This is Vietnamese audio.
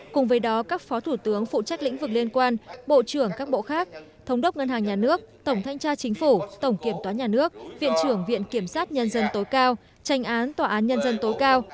cùng với đó các phó thủ tướng phụ trách lĩnh vực liên quan bộ trưởng các bộ khác thống đốc ngân hàng nhà nước tổng thanh tra chính phủ tổng kiểm toán nhà nước viện trưởng viện kiểm sát nhân dân tối cao tranh án tòa án nhân dân tối cao